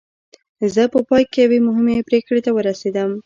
زه په پای کې یوې مهمې پرېکړې ته ورسېدم